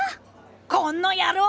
こンの野郎！